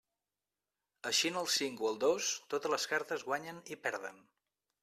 Eixint el cinc o el dos totes les cartes guanyen i perden.